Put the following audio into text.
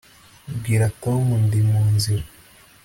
Bwira Tom ndi munzira